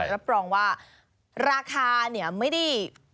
รับปรองว่าราคาไม่ได้